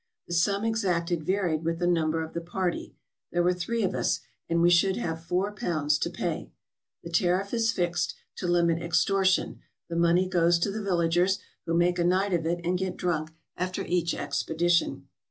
The sum exacted varied with the number of the party. There were three of us, and we should have £4 to pay. The tariff is fixed, to limit extortion ; the money goes to the villagers, who make a night of it and get drunk after each expedition.